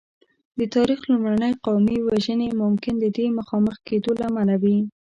د تاریخ لومړنۍ قومي وژنې ممکن د دې مخامخ کېدو له امله وې.